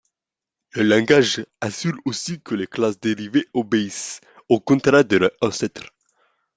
Le langage assure aussi que les classes dérivées obéissent aux contrats de leurs ancêtres.